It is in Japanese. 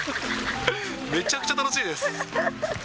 めちゃくちゃ楽しいです。